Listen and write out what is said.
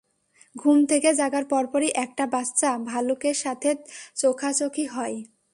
ঘুম থেকে জাগার পরপরই একটা বাচ্চা ভালুকের সাথে চোখাচোখি হয়!